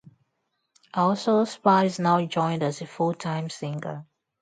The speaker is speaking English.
Also, Spice now joined as a full-time singer.